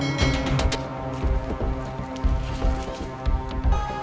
tidak ada yang bisa dihukum